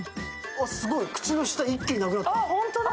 すごい、口の下、一気になくなった。